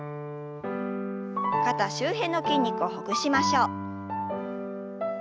肩周辺の筋肉をほぐしましょう。